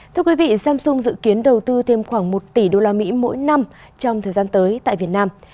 thưa quý vị samsung dự kiến đầu tư thêm khoảng một tỷ usd mỗi năm trong thời gian tới tại việt nam